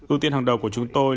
ưu tiên hàng đầu của chúng tôi